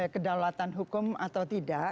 kedaulatan hukum atau tidak